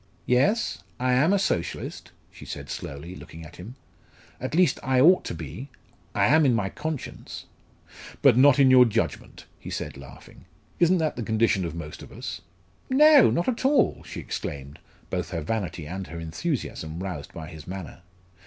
"Yes, I am a Socialist," she said slowly, looking at him. "At least I ought to be I am in my conscience." "But not in your judgment?" he said laughing. "Isn't that the condition of most of us?" "No, not at all!" she exclaimed, both her vanity and her enthusiasm roused by his manner.